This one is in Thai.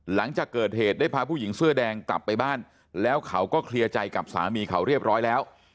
หลังจากเกิดเหตุได้พาผู้หญิงเสื้อแดงกลับไปบ้านแล้วเขาก็เคลียร์ใจกับสามีเขาเรียบร้อยแล้ว